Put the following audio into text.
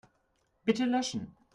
Bitte löschen.